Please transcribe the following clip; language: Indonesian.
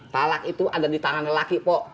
talak itu ada di tangan laki pok